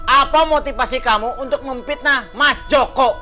apa motivasi kamu untuk memfitnah mas joko